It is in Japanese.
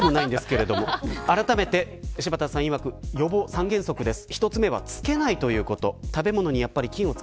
あらためて、柴田さんいわく予防三原則です。